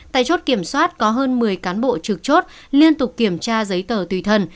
tại chốt kiểm soát có hơn một mươi cán bộ trực chốt liên tục kiểm tra giấy tờ tùy thân